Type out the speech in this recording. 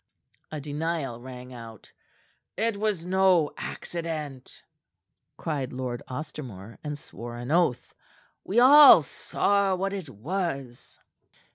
A denial rang out. "It was no accident!" cried Lord Ostermore, and swore an oath. "We all saw what it was."